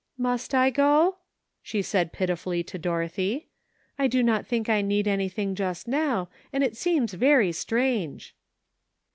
'' Must I go? " she said pitifully to Dorothy. " I do not think I need anything just now, and it seems very strange."